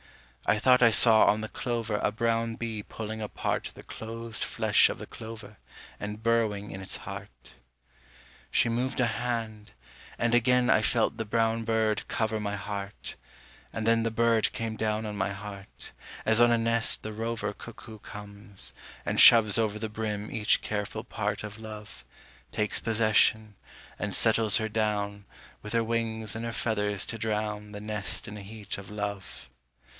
I thought I saw on the clover A brown bee pulling apart The closed flesh of the clover And burrowing in its heart. She moved her hand, and again I felt the brown bird cover My heart; and then The bird came down on my heart, As on a nest the rover Cuckoo comes, and shoves over The brim each careful part Of love, takes possession, and settles her down, With her wings and her feathers to drown The nest in a heat of love.